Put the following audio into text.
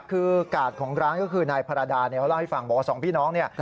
คือกาดของร้านก็คือนายพรดาพี่ฝังบอกสองพี่น้องเนี่ย